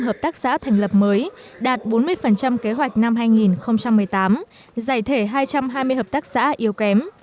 hợp tác xã thành lập mới đạt bốn mươi kế hoạch năm hai nghìn một mươi tám giải thể hai trăm hai mươi hợp tác xã yếu kém